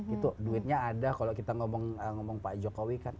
itu duitnya ada kalau kita ngomong pak jokowi kan